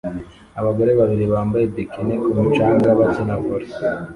Abagore babiri bambaye bikini ku mucanga bakina volley